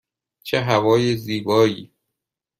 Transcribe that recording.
چه هوای زیبایی!